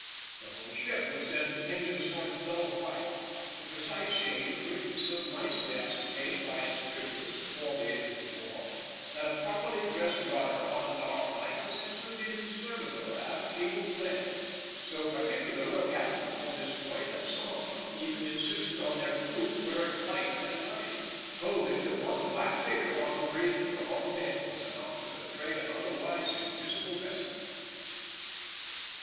The whole ship was then painted a sort of dull white, the precise shade of which was so nicely ascertained by experience before the end of the war that a properly dressed runner on a dark night was absolutely indiscernible at a cable's length. So particular were captains on this point that some of them even insisted on their crews wearing white at night, holding that one black figure on the bridge or on deck was enough to betray an otherwise invisible vessel.